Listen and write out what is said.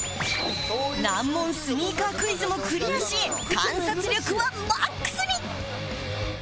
難問スニーカークイズもクリアし観察力はマックスに！